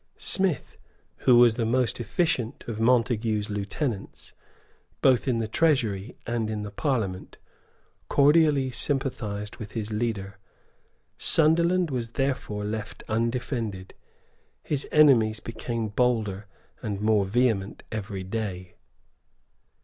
Smith, who was the most efficient of Montague's lieutenants, both in the Treasury and in the Parliament, cordially sympathised with his leader. Sunderland was therefore left undefended. His enemies became bolder and more vehement every day.